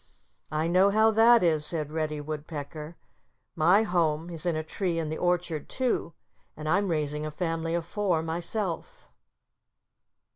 "I know how that is," said Reddy Woodpecker. "My home is in a tree in the orchard, too. And I'm raising a family of four myself."